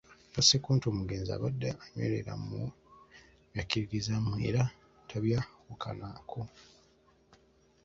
Agasseeko nti omugenzi abadde anywerera mu byakkiririzaamu era tabyawukanako.